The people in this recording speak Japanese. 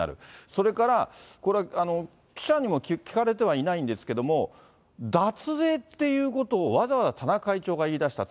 それからこれ、記者にも聞かれてはいないんですけれども、脱税っていうことを、わざわざ田中会長が言い出した。